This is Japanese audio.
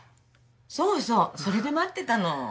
そうそうそれで待ってたの。